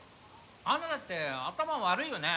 杏奈だって頭悪いよね